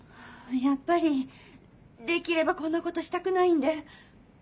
やっぱりできればこんなことしたくないんで。